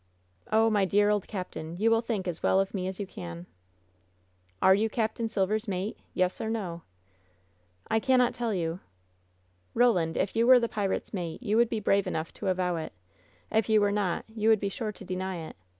"Oh, my dear old captain, you will think as well of me as yo¥ can." "Are you Capt. Silver's mate? Yes or no?" "I cannot tell you." "Eoland, if you were the pirate's mate, you would be brave enough to avow it. If you were not, you would be sure to deny it.